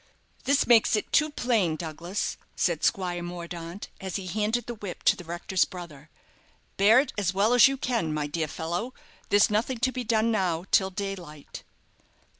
"This makes it too plain, Douglas," said Squire Mordaunt, as he handed the whip to the rector's brother; "bear it as well as you can, my dear fellow. There's nothing to be done now till daylight."